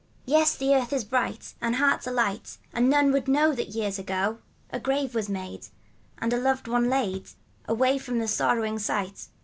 Yes, the earth is bright, And hearts are light ; And none would know That years ago A grave was made. And a loved one laid Away from the sorrowing sight.